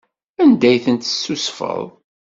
Anda ay tent-tessusfeḍ?